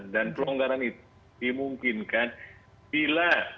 dan pelonggaran itu dimungkinkan bila bila yang melakukan aktivitas